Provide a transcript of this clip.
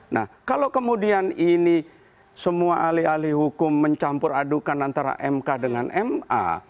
nah kalau kemudian ini semua alih alih hukum mencampur adukan antara mk dengan ma